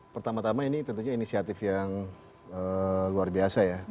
pertama tama ini tentunya inisiatif yang luar biasa ya